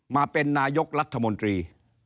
มาเป็นนายกรัฐมนตรี